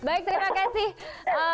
baik terima kasih